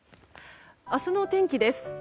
明日の天気です。